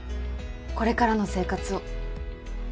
これからの生活を。